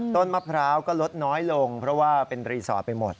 มะพร้าวก็ลดน้อยลงเพราะว่าเป็นรีสอร์ทไปหมด